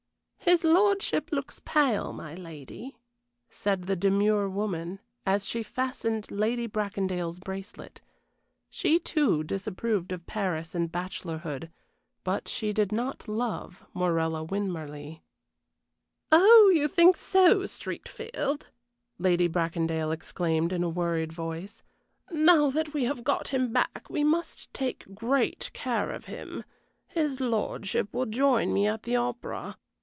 "His lordship looks pale, my lady," said the demure woman, as she fastened Lady Bracondale's bracelet. She, too, disapproved of Paris and bachelorhood, but she did not love Morella Winmarleigh. "Oh, you think so, Streatfield?" Lady Bracondale exclaimed, in a worried voice. "Now that we have got him back we must take great care of him. His lordship will join me at the opera.